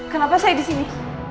kenapa saya disini